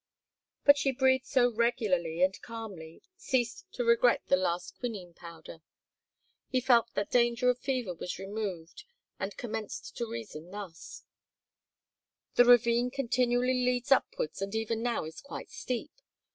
But she breathed so regularly and calmly that Stas ceased to regret the last quinine powder. He felt that danger of fever was removed and commenced to reason thus: "The ravine continually leads upwards and even now is quite steep.